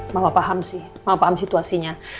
mama paham sih maaf paham situasinya